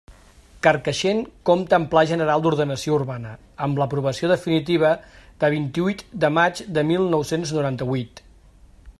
Carcaixent, compta amb Pla general d'ordenació urbana, amb l'aprovació definitiva de vint-i-huit de maig de mil nou-cents noranta-huit.